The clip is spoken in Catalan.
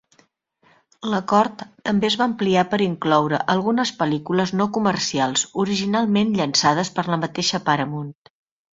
L'acord també es va ampliar per incloure algunes pel·lícules no comercials originalment llançades per la mateixa Paramount.